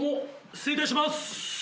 失礼いたします。